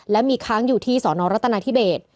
และมีค้างอยู่ที่สอนอรัฐนาธิเบส